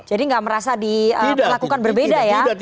jadi tidak merasa diperlakukan berbeda ya